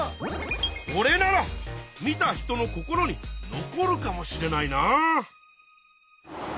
これなら見た人の心に残るかもしれないな！